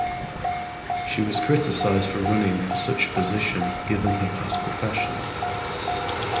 She was criticized for running for such a position, given her past profession.